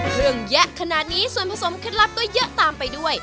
เยอะแยะขนาดนี้ส่วนผสมเคล็ดลับก็เยอะตามไปด้วย